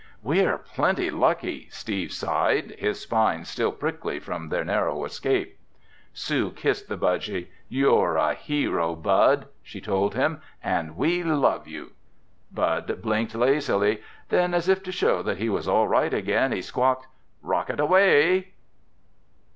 "We're plenty lucky!" Steve sighed, his spine still prickly from their narrow escape. Sue kissed the budgy. "You're a hero, Bud," she told him, "and we love you!" Bud blinked lazily. Then as if to show that he was all right again, he squawked, "Rocket away!"